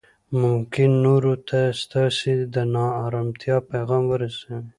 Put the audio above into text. ممکن نورو ته ستاسې د نا ارامتیا پیغام ورسوي